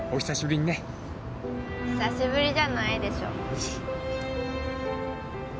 久しぶりじゃないでしょ。